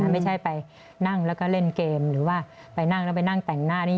ไม่ใช่ไปนั่งแล้วก็เล่นเกมหรือว่าไปนั่งแล้วไปนั่งแต่งหน้านี่